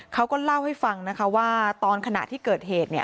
เขาก็เล่าให้ฟังนะคะว่าตอนขณะที่เกิดเหตุเนี่ย